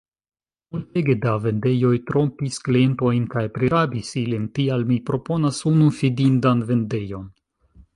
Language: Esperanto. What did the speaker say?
Multege da vendejoj trompis klientojn kaj prirabis ilin, tial mi proponas unu fidindan vendejon.